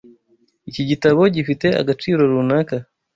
Iki gitabo gifite agaciro runaka.